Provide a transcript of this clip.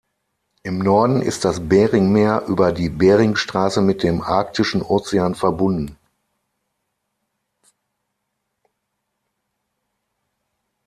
Im Norden ist das Beringmeer über die Beringstraße mit dem Arktischen Ozean verbunden.